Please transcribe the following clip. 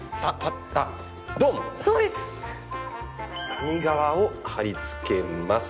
紙側を貼り付けますと。